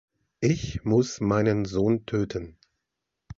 Ich muss meinen Sohn töten.